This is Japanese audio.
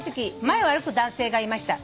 前を歩く男性がいました。